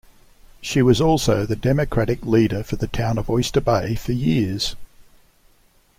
She was also the Democratic Leader for the Town of Oyster Bay for years.